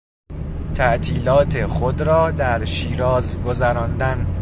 تعطیلات خود را در شیراز گذراندن